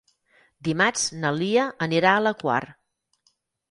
Dimarts na Lia anirà a la Quar.